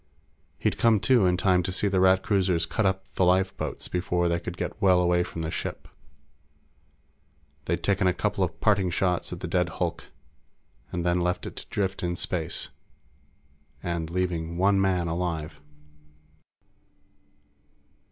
He'd come to in time to see the Rat cruisers cut up the lifeboats before they could get well away from the ship. They'd taken a couple of parting shots at the dead hulk, and then left it to drift in space and leaving one man alive.